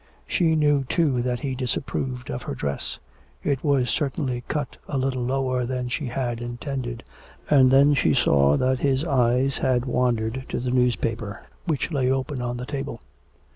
She knew, too, that he disapproved of her dress: it was certainly cut a little lower than she had intended, and then she saw that his eyes had wandered to the newspaper, which lay open on the table.